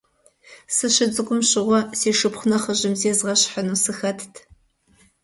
Сыщыцӏыкӏум щыгъуэ, си шыпхъу нэхъыжьым зезгъэщхьыну сыхэтт.